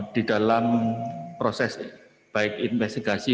di dalam proses baik investigasi